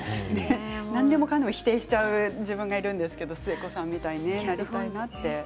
何でもかんでも否定しちゃう自分がいるんですけれど寿恵子さんみたいになりたいなと。